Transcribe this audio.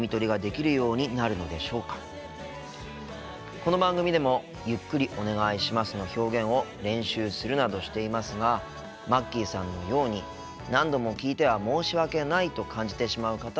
この番組でも「ゆっくりお願いします」の表現を練習するなどしていますがまっきーさんのように何度も聞いては申し訳ないと感じてしまう方もいらっしゃいますよね。